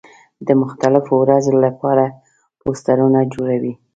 د مختلفو ورځو له پاره پوسټرونه جوړوي.